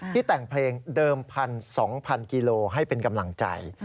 ที่แต่งเพลงเดิมพันสองพันกิโลให้เป็นกำลังใจ